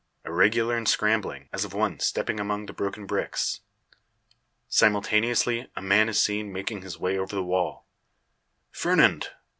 Irregular and scrambling, as of one stepping among the broken bricks. Simultaneously a man is seen making his way over the wall. "Fernand!"